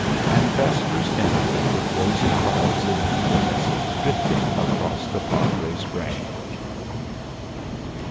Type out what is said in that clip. And vespers ended with rosy clouds of eagerness drifting across the Padre's brain.